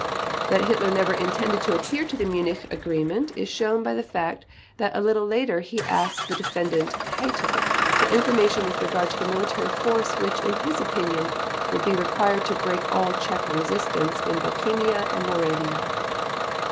That Hitler never intended to adhere to the Munich Agreement is shown by the fact that a little later he asked the Defendant Keitel for information with regard to the military force which in his opinion would be required to break all Czech resistance in Bohemia and Moravia.